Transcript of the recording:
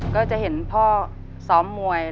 ก็จะเห็นพ่อซ้อมมวย